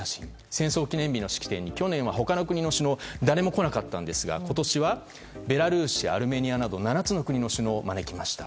戦勝記念日の式典に去年は他の国の首相誰も来なかったんですが今年はベラルーシやアルメニアなど７つの国の首相を招きました。